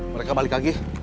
mereka balik lagi